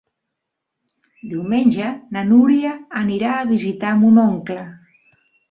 Diumenge na Núria anirà a visitar mon oncle.